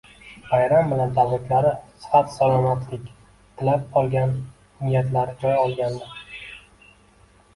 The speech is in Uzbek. bayram bilan tabriklari, sihat va salomatlik tilab qilgan niyatlari joy olgandi.